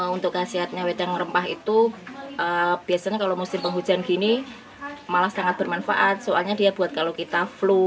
untuk khasiatnya wedang rempah itu biasanya kalau musim penghujan gini malah sangat bermanfaat soalnya dia buat kalau kita flu